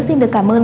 xin được cảm ơn